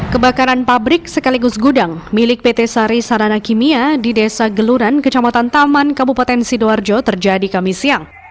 kebakaran pabrik sekaligus gudang milik pt sari sarana kimia di desa geluran kecamatan taman kabupaten sidoarjo terjadi kami siang